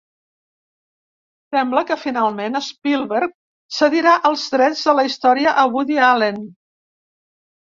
Sembla que finalment Spielberg cedirà els drets de la història a Woody Allen.